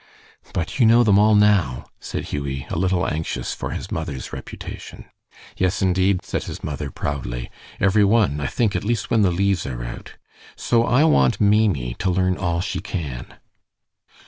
"But you know them all now," said Hughie, a little anxious for his mother's reputation. "Yes, indeed," said his mother, proudly; "every one, I think, at least when the leaves are out. So I want Maimie to learn all she can."